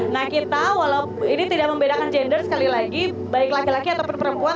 nah kita walaupun ini tidak membedakan gender sekali lagi baik laki laki ataupun perempuan